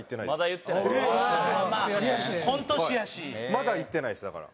まだ言ってないですだから。